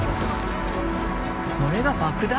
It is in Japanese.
これが爆弾？